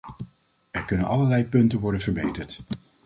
Er kunnen allerlei punten worden verbeterd.